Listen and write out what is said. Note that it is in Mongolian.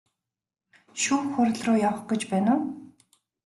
Шүүх хуралруу явах гэж байна уу?